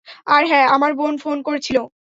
আর হ্যাঁ, তোমার বোন ফোন করেছিল।